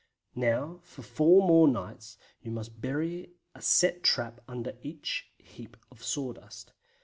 Now for four more nights you must bury a set trap under every heap of sawdust.